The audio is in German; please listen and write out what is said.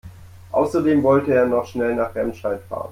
Außerdem wollte er noch schnell nach Remscheid fahren